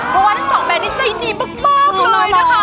เพราะว่าทั้งสองแบรนดนี่ใจดีมากเลยนะคะ